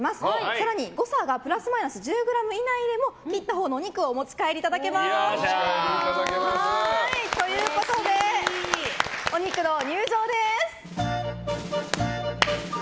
更に誤差がプラスマイナス１０ｇ以内でも切ったほうのお肉をお持ち帰りいただけます。ということで、お肉の入場です。